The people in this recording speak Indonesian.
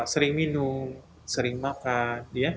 sering minum sering makan